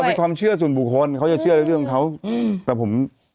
เป็นความเชื่อส่วนบุคคลเขาจะเชื่อในเรื่องเขาอืมแต่ผม